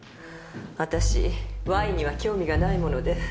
私ワインには興味がないもので。